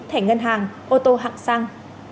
thẻ ngân hàng ô tô hạng xăng